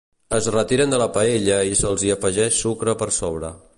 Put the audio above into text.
Es retiren de la paella i se'ls hi afegeix sucre per sobre.